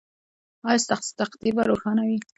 ایا ستاسو تقدیر به روښانه وي؟